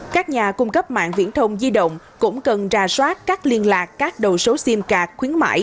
các nhà cung cấp mạng viễn thông di động cũng cần ra soát các liên lạc các đầu số sim cạc khuyến mãi